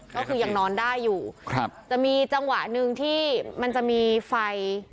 ก็คือยังนอนได้อยู่ครับจะมีจังหวะหนึ่งที่มันจะมีไฟ